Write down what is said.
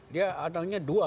dia adanya dua